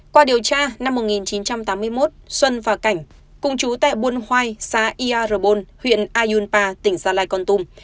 qua điều tra năm một nghìn chín trăm tám mươi một xuân và cảnh cùng chú tại buôn hoai xã ia rờ bôn huyện ayunpa tỉnh gia lai con tùm